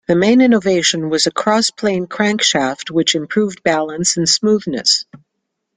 The main innovation was a cross-plane crankshaft which improved balance and smoothness.